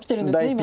今。